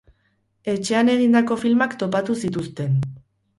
Etxean egindako filmak topatu zituzten.